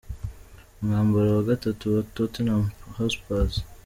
Umwambaro wa gatatu wa Tottenham Hotspur